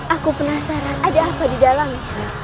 aku penasaran ada apa di dalam